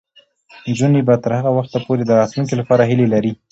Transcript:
نجونې به تر هغه وخته پورې د راتلونکي لپاره هیله لري.